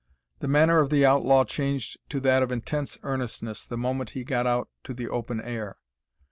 The manner of the outlaw changed to that of intense earnestness the moment he got out to the open air.